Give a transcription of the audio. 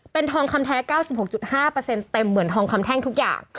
เป็นทองคำแท้๙๖๕เต็มเหมือนทองคำแท่งทุกอย่าง